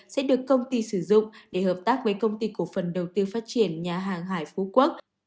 sẽ được công ty sử dụng để hợp tác với công ty cổ phần đầu tư phát triển nhà hàng hải phú quốc